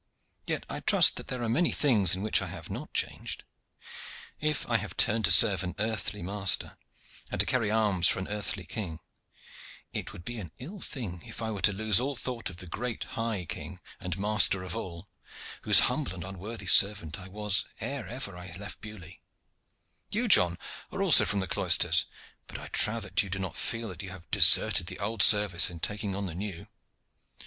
Yet I trust that there are many things in which I have not changed. If I have turned to serve an earthly master, and to carry arms for an earthly king, it would be an ill thing if I were to lose all thought of the great high King and Master of all, whose humble and unworthy servant I was ere ever I left Beaulieu. You, John, are also from the cloisters, but I trow that you do not feel that you have deserted the old service in taking on the new."